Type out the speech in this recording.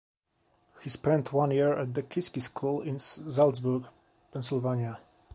He spent one year at The Kiski School in Saltsburg, Pennsylvania.